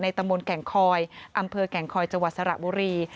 ในตะมนต์แก่งคอยอำเภอแก่งคอยจวัสสระบุรี